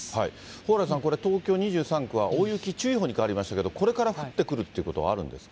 蓬莱さん、これ、東京２３区は大雪注意報に変わりましたけど、これから降ってくるということはあるんですか？